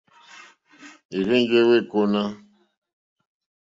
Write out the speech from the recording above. Ì rzênjé wêkóná.